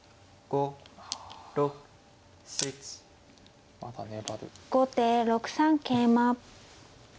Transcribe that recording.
後手６三桂馬。